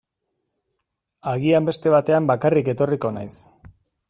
Agian beste batean bakarrik etorriko naiz.